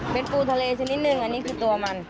เป็นปูทะเลชนิดหนึ่งอันนี้คือตัวมัน